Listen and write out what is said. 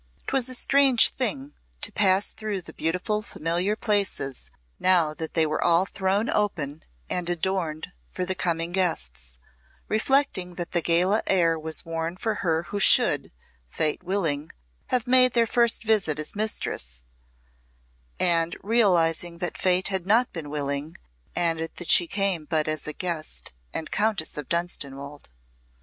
'Twas a strange thing to pass through the beautiful familiar places now that they were all thrown open and adorned for the coming guests, reflecting that the gala air was worn for her who should, Fate willing, have made her first visit as mistress, and realising that Fate had not been willing and that she came but as a guest and Countess of Dunstanwolde.